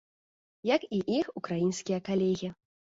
Як і іх украінскія калегі.